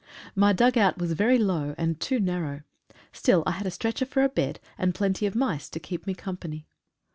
My dug out was very low, and too narrow — still I had a stretcher for a bed, and plenty of mice to keep me company.